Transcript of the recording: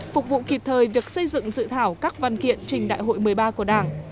phục vụ kịp thời việc xây dựng dự thảo các văn kiện trình đại hội một mươi ba của đảng